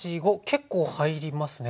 結構入りますね。